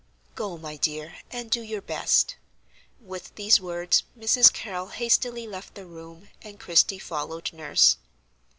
"Go, my dear, and do your best." With these words Mrs. Carrol hastily left the room, and Christie followed Nurse.